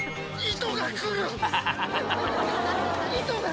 糸が来る！